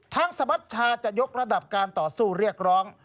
สมัชชาจะยกระดับการต่อสู้เรียกร้อง